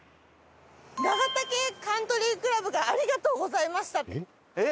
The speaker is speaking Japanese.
長竹カントリークラブが「ありがとうございました」って。えっ？